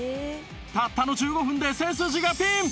たったの１５分で背筋がピン！